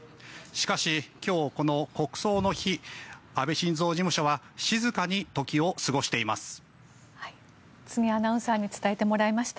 しかし今日、国葬の日安倍晋三事務所は静かに時を過ごしています。